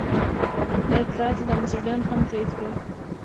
دا اطلاعات لمسډن هم تایید کړل.